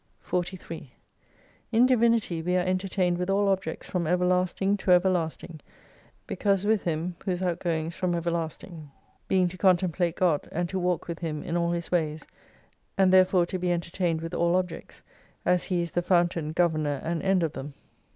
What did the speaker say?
43 In Divinity we are entertained with all objects from everlasting to everlasting : because with Him whose outgoings from everlasting : being to contemplate God, and to walk with Him in all His ways ; and therefore to be entertained with all objects, as He is the fountain, governor, and end of them.